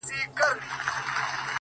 هغه مئین خپل هر ناهیلي پل ته رنگ ورکوي _